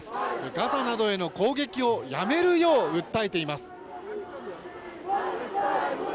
ガザなどへの攻撃をやめるよう訴えています。